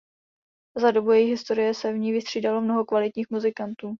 Za dobu její historie se v ní vystřídalo mnoho kvalitních muzikantů.